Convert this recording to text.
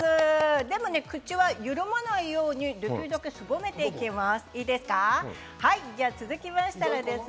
でも口は緩まないように、できるだけすぼめていきます。